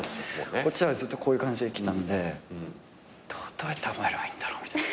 こっちはずっとこういう感じできたんでどうやって甘えればいいんだろうみたいな。